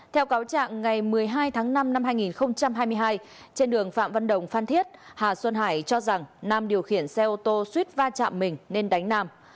theo cáo trạng ngày một mươi hai tháng năm năm hai nghìn hai mươi hai trên đường phạm văn đồng phan thiết hà xuân hải cho rằng nam điều khiển xe ô tô suýt va chạm mình nên đánh nam